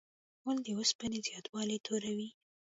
غول د اوسپنې زیاتوالی توروي.